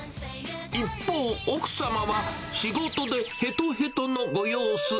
一方、奥様は、仕事でへとへとのご様子。